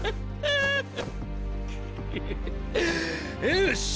よし！